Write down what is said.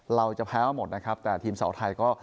เราจะแพ้มาหมดนะครับแต่ทีมเสาไทยก็